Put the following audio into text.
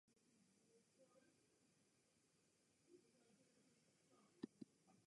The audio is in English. The focus of this project was on the doctoral theses of young scholars.